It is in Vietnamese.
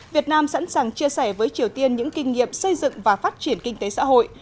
việt nam sẵn sàng chia sẻ với triều tiên những kinh nghiệm xây dựng và phát triển kinh tế xã hội